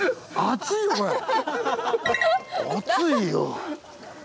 熱いよ！